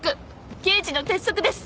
刑事の鉄則です。